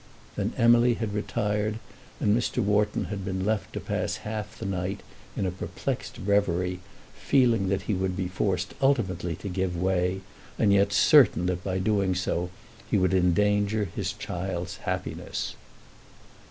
Then Emily had retired and Mr. Wharton had been left to pass half the night in a perplexed reverie, feeling that he would be forced ultimately to give way, and yet certain that by doing so he would endanger his child's happiness.